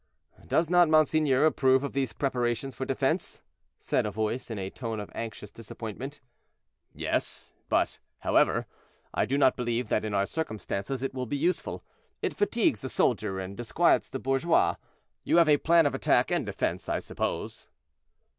"Does not monseigneur approve of these preparations for defense?" said a voice, in a tone of anxious disappointment. "Yes; but, however, I do not believe that in our circumstances it will be useful; it fatigues the soldier and disquiets the bourgeois. You have a plan of attack and defense, I suppose?"